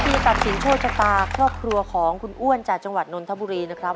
จะตัดสินโชคชะตาครอบครัวของคุณอ้วนจากจังหวัดนนทบุรีนะครับ